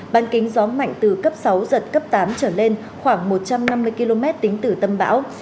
ban kính gió mạnh từ cấp sáu giật cấp tám trở lên khoảng một trăm năm mươi km tính từ tâm bão